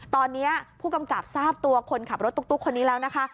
ตอนนี้ผู้กำกับทราบตัวคนขับรถตุ๊กคนนี้แล้วนะคะ